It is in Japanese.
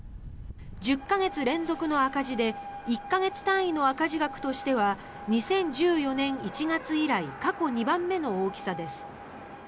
１０か月連続の赤字で１か月単位の赤字額としては２０１４年１月以来過去２番目の大きさです。